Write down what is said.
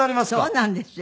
そうなんですよ。